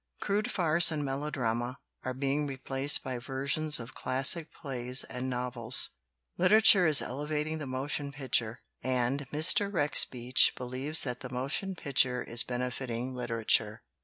Crude farce and melodrama are being replaced by ver sions of classic plays and novels; literature is elevating the motion picture. And Mr. Rex Beach believes that the motion picture is bene fiting literature.